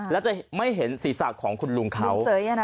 แล้วจะไม่เห็นศีรษะของคุณลุงเขา